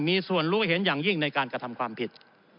มีส่วนรู้เห็นอย่างยิ่งในการกระทำความผิด